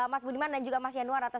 mas budiman dan juga mas yanuar atas